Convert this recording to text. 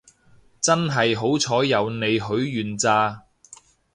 真係好彩你有許願咋